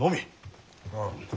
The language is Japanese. ああ。